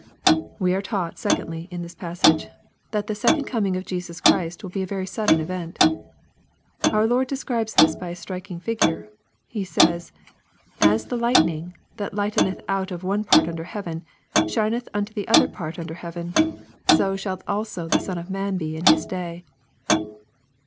We are taught, secondly, in this .passage, that the second coining of Jesus Christ will he a very sudden event. Our Lord describes this by a striking figuie. He says, *' As the lightning, that lighteneth out of the one part under heaven, shineth unto the other part under heaven ; 80 shall also the Son of man be in His day.''